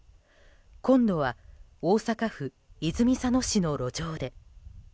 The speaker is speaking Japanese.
今度は大阪府泉佐野市の路上で。